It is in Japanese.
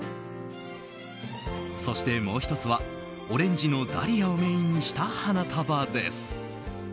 そして、もう１つはオレンジのダリアをメインにした花束です。